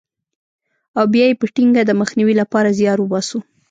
او بیا یې په ټینګه د مخنیوي لپاره زیار وباسو.